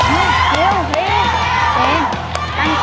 เล่นเร็วเร็วหลีก